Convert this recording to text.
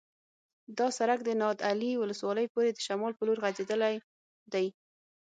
دا سرک د نادعلي ولسوالۍ پورې د شمال په لور غځېدلی دی